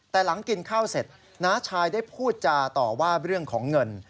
แต่หลังกินข้าวเสร็จน้าชายได้พูดจาต่อว่าเรื่องของเงิน